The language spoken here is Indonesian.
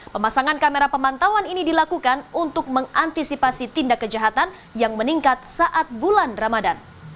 pemasangan kamera pemantauan ini dilakukan untuk mengantisipasi tindak kejahatan yang meningkat saat bulan ramadan